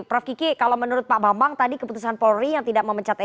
prof kiki kalau menurut pak bambang tadi keputusan polri yang tidak memecat eli